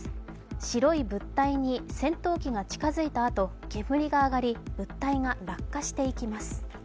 白い物体に戦闘機が近づいたあと、煙が上がり物体が落下していきます。